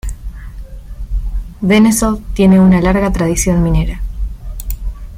Benešov tiene una larga tradición minera.